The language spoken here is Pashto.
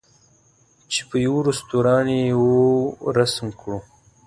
چې په یوه رستوران یې وو رسم کړو.